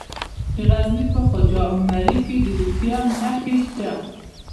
د غزني په خواجه عمري کې د لیتیم نښې شته.